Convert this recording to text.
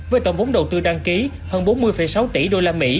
với tổng vốn đầu tư đăng ký hơn bốn mươi sáu tỷ usd